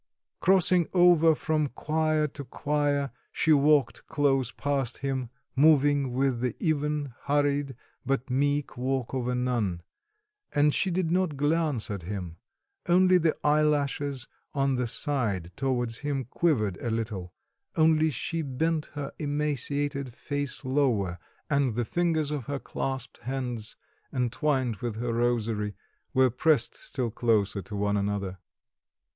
Crossing over from choir to choir, she walked close past him, moving with the even, hurried, but meek walk of a nun; and she did not glance at him; only the eyelashes on the side towards him quivered a little, only she bent her emaciated face lower, and the fingers of her clasped hands, entwined with her rosary, were pressed still closer to one another.